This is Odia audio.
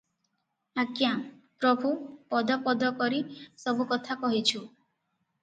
"ଆଜ୍ଞା- ପ୍ରଭୁ! ପଦ ପଦ କରି ସବୁ କଥା କହିଛୁ ।"